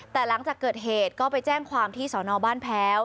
แต่หลังจากเกิดเหตุก็ไปแจ้งความที่สอนอบ้านแพ้ว